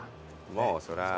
もうそりゃ。